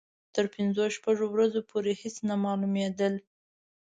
تر پنځو شپږو ورځو پورې هېڅ نه معلومېدل.